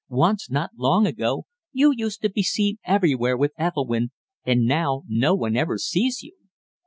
Once, not long ago, you used to be seen everywhere with Ethelwynn, and now no one ever sees you.